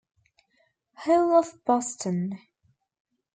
Hall of Boston.